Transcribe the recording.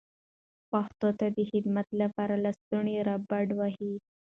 پښتو ته د خدمت لپاره لستوڼي را بډ وهئ.